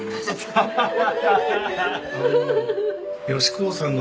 ハハハハハ！